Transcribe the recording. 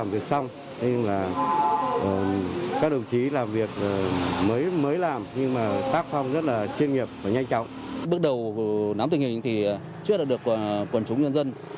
bước đầu nắm tình hình thì trước đã được quần chúng nhân dân